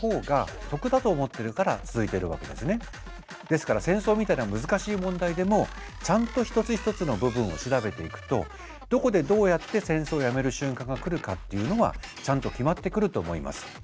ですから戦争みたいな難しい問題でもちゃんと一つ一つの部分を調べていくとどこでどうやって戦争をやめる瞬間が来るかっていうのはちゃんと決まってくると思います。